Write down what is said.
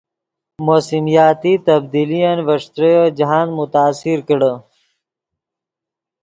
موسمیاتی تبدیلین ڤے ݯتریو جاہند متاثر کڑے